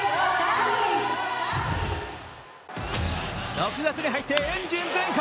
６月に入ってエンジン全開。